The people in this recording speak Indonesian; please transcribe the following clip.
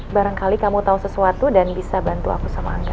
barangkali kamu tahu sesuatu dan bisa bantu aku sama anda